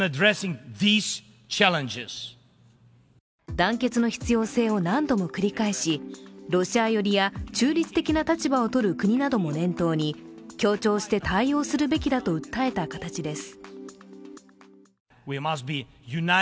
団結の必要性を何度も繰り返しロシア寄りや中立的な立場をとる国なども念頭に協調して対応するべきだと訴えた形です。